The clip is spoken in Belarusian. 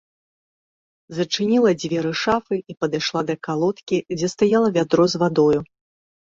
Зачыніла дзверы шафы і падышла да калодкі, дзе стаяла вядро з вадою.